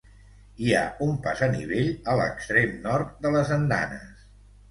Hi ha un pas a nivell a l'extrem nord de les andanes.